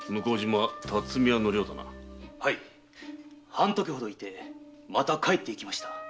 半刻ほどおいてまた帰っていきました。